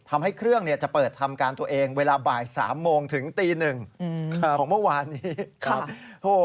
ทำให้เครื่องจะเปิดทำการตัวเองเวลาบ่าย๓โมงถึงตีหนึ่งของเมื่อวานนี้ครับ